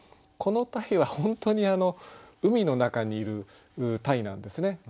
この鯛は本当にあの海の中にいる鯛なんですね。